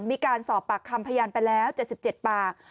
มีการสอบปากคำพยานไปแล้ว๗๗ปาก